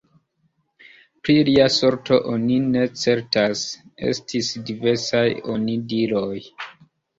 Pri lia sorto oni ne certas: estis diversaj onidiroj.